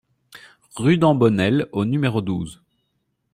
Rue d'Embonnel au numéro douze